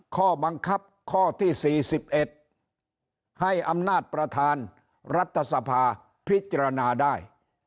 ข้อบังคับข้อที่๔๑ให้อำนาจประธานรัฐสภาพิจารณาได้